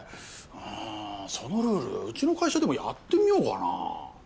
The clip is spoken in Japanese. うんそのルールうちの会社でもやってみようかな。